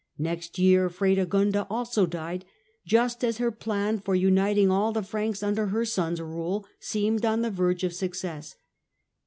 Next year Fredegonda also died, just as her plan for uniting all the Franks under her son's rule seemed on the verge of success.